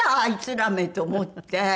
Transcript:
あいつらめ！と思って。